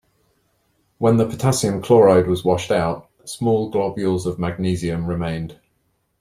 When the potassium chloride was washed out, small globules of magnesium remained.